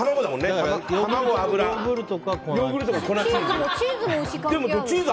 ヨーグルトか粉チーズ。